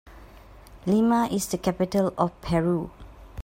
Lima is the capital of Peru.